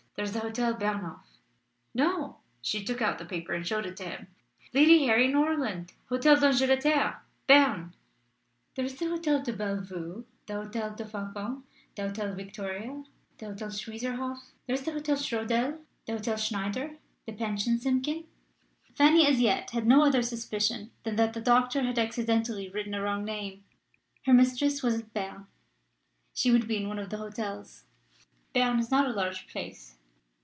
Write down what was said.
"There is the Hotel Bernehof." "No." She took out the paper and showed it to him "Lady Harry Norland, Hotel d'Angleterre, Berne." "There is the Hotel de Belle Vue, the Hotel du Faucon, the Hotel Victoria, the Hotel Schweizerhof. There is the Hotel schrodel, the Hotel Schneider, the Pension Simkin." Fanny as yet had no other suspicion than that the doctor had accidentally written a wrong name. Her mistress was at Berne: she would be in one of the hotels. Berne is not a large place.